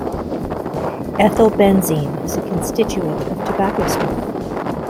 Ethylbenzene is a constituent of tobacco smoke.